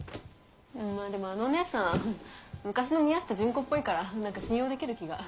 まあでもあのおねえさん昔の宮下順子っぽいから何か信用できる気が。